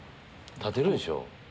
立てるでしょ？